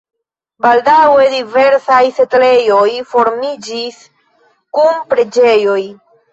Baldaŭe diversaj setlejoj formiĝis kun preĝejoj.